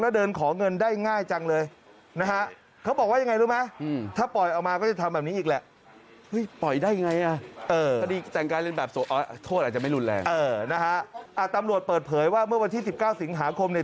แล้วเดินของเงินได้ง่ายจังเลยนะฮะ